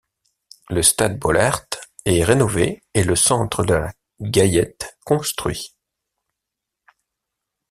Le stade Bollaert est rénové et le centre de la Gaillette construit.